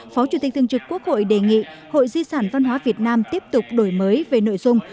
phó chủ tịch thường trực quốc hội đề nghị hội di sản văn hóa việt nam tiếp tục đổi mới về nội dung